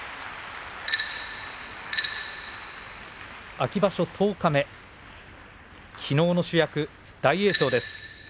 秋場所、十日目きのうの主役、大栄翔です。